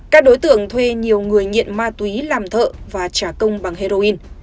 các đối tượng thuê nhiều người nghiện ma túy làm thợ và trả công bằng heroin